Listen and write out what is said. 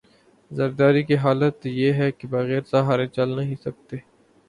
زرداری کی حالت یہ ہے کہ بغیر سہارے چل نہیں سکتے۔